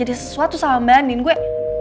jadi sesuatu sama mbak andin gue